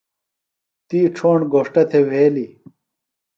تی ڇھوݨ گھوݜٹہ تھےۡ وھیلیۡ۔